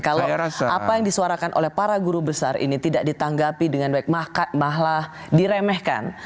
kalau apa yang disuarakan oleh para guru besar ini tidak ditanggapi dengan baik malah diremehkan